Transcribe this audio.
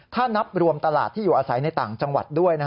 ถ้านับรวมตลาดที่อยู่อาศัยในต่างจังหวัดด้วย